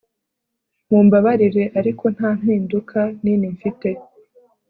Mumbabarire ariko nta mpinduka nini mfite